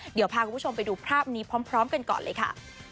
เดี๋ยวพาคุณผู้ชมไปดูภาพนี้พร้อมกันก่อนเลยค่ะ